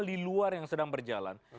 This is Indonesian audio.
di luar yang sedang berjalan